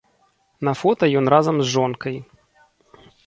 На фота ён разам з жонкай.